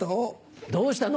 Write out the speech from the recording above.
どうしたの？